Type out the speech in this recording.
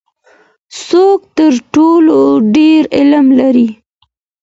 څوک تر ټولو ډیر علم لري؟